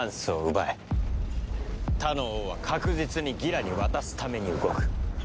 他の王は確実にギラに渡すために動く。